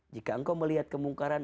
jika engkau melihat kemungkaran